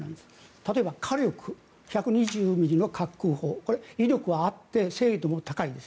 例えば火力１２０ｍｍの滑空砲これは威力があって精度も高いです。